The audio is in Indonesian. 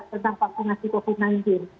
tentang vaksinasi covid sembilan belas